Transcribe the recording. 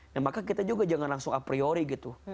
nah maka kita juga jangan langsung a priori gitu